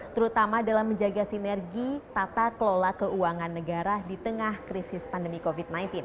terutama dalam menjaga sinergi tata kelola keuangan negara di tengah krisis pandemi covid sembilan belas